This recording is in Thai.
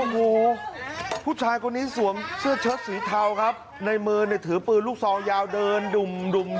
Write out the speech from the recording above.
พ่อผู้ชายคนนี้สวมเสื้อเชิดสีเท้าครับในมือในถือปืนลูกซองยาวเดินดุมเข้ามาที่บ้านหลังหนึ่ง